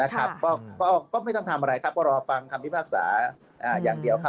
ก็ไม่ต้องทำอะไรครับก็รอฟังคำพิพากษาอย่างเดียวครับ